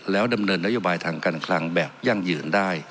แล้วดำเนินนโยบายทางการคลังแบบยั่งยืนได้